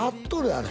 あれ